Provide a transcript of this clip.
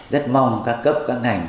rất mong các cấp các ngành